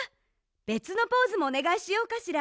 べつのポーズもおねがいしようかしら。